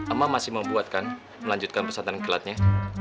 emang masih membuatkan melanjutkan pesatan kelatnya